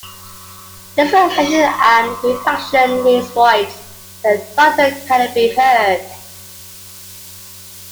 This reflection and refraction leaves voids where thunder cannot be heard.